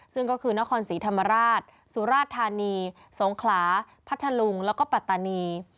ซึ่งก็คือนครศรีธรรมราชสุราธานีสงขลาพัทธลุงแล้วก็ปัตตานี